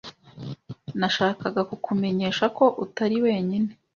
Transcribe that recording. Nashakaga kukumenyesha ko utari wenyine.